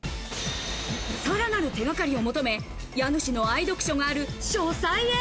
さらなる手がかりを求め、家主の愛読書がある書斎へ。